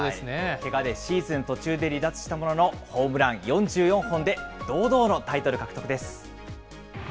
けがでシーズン途中で離脱したものの、ホームラン４４本で堂々のタイトル獲得です。